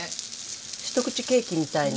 一口ケーキみたいな。